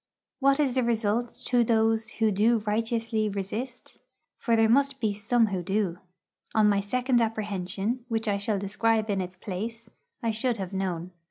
What is the result to those who do righteously resist? For there must be some who do. On my second apprehension, which I shall describe in its place, I should have known.